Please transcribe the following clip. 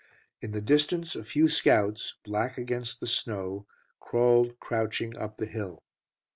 In the distance a few scouts, black against the snow, crawled crouching up the hill.